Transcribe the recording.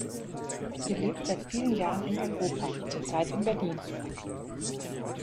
Sie lebt seit vielen Jahren in Europa, zurzeit in Berlin.